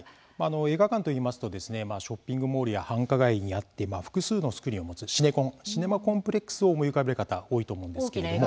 映画館といいますとショッピングモールや繁華街にあって複数のスクリーンを持つシネコンシネマコンプレックスを思い浮かべる方、多いと思います。